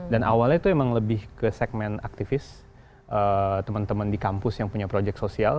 dan awalnya tuh emang lebih ke segmen aktivis temen temen di kampus yang punya project sosial